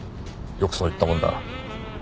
よくそう言ったものだ。